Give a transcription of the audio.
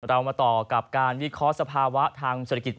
เรามาต่อกับการวิเคราะห์สภาวะทางเศรษฐกิจ